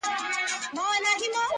هره ورځ لا جرګې کېږي د مېږیانو،